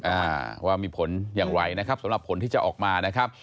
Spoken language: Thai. อ่าว่ามีผลอย่างไรนะครับสำหรับผลที่จะออกมานะครับ